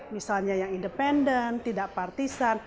misalnya yang independen tidak partisan